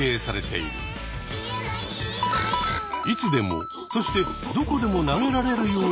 いつでもそしてどこでも投げられるようになった結果。